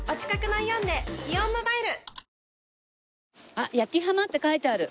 あっ焼きハマって書いてある。